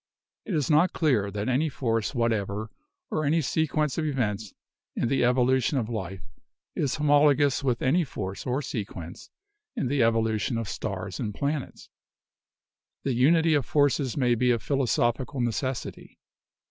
It is not clear that any force whatever or any sequence of events in the evolution of life is homologous with any force or sequence in the evolution of stars and planets. The unity of forces may be a philosophical necessity.